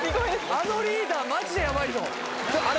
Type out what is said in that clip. あのリーダーマジでヤバいぞあれ